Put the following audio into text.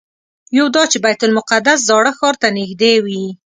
یو دا چې بیت المقدس زاړه ښار ته نږدې وي.